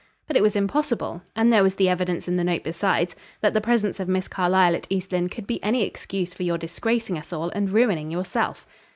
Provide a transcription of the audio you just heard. But it was impossible, and there was the evidence in the note besides, that the presence of Miss Carlyle at East Lynne could be any excuse for your disgracing us all and ruining yourself."